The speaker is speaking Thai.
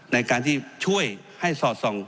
ในการที่ช่วยให้สอดส่อง